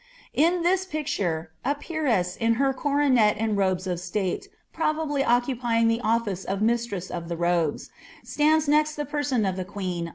[ I this picture, a peeress in her coronet and robes of stale, probably iipying the office of miatress of'ihe robes, stands next the person of lueon.